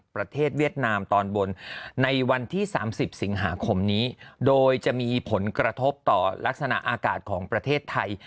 เวียดนามตอนบนในวันที่๓๐สิงหาคมนี้โดยจะมีผลกระทบต่อลักษณะอากาศของประเทศไทย